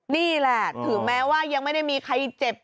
นี่แหละถึงแม้ว่ายังไม่ได้มีใครเจ็บ